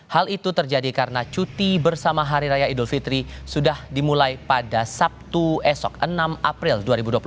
hal itu terjadi karena cuti bersama hari raya idul fitri sudah dimulai pada sabtu esok enam april dua ribu dua puluh satu